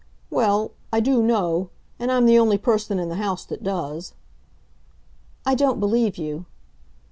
"Well I do know. And I'm the only person in the house that does." "I don't believe you."